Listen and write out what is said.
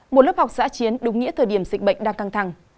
một lớp học giã chiến đúng nghĩa thời điểm dịch bệnh đang căng thẳng